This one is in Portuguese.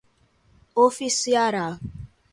oficiará